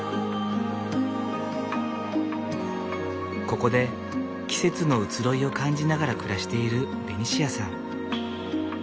ここで季節の移ろいを感じながら暮らしているベニシアさん。